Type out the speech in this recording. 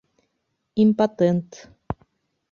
Импотент.